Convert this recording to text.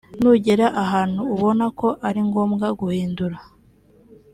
nugera ahantu ubona ko ari ngombwa guhindura